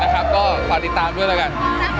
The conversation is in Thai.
ก็ฝากติดตามด้วยแล้วกัน